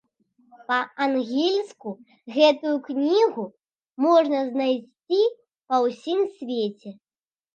Па-англійску гэтую кнігу можна знайсці па ўсім свеце.